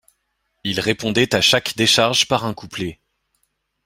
Il répondait à chaque décharge par un couplet.